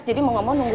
jadi mengurangkan aku